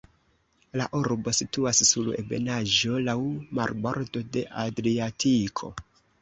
La urbo situas sur ebenaĵo, laŭ marbordo de Adriatiko.